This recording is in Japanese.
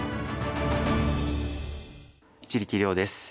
一力遼です。